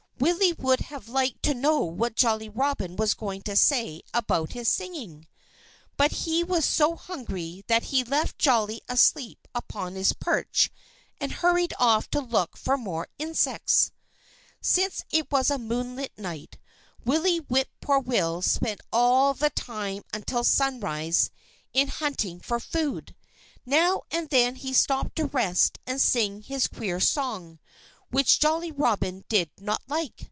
Willie would have liked to know what Jolly Robin was going to say about his singing. But he was so hungry that he left Jolly asleep upon his perch and hurried off to look for more insects. Since it was a moonlight night, Willie Whip poor will spent all the time until sunrise in hunting for food. Now and then he stopped to rest and sing his queer song, which Jolly Robin did not like.